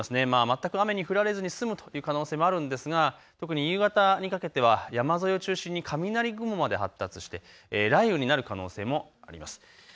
全く雨に降られずに済むという可能性もあるんですが特に夕方にかけては山沿いを中心に雷雲まで発達して雷雨になる可能性もあります。